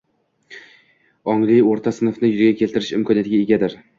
ongli o‘rta sinfni yuzaga keltirish imkoniyatiga egadir.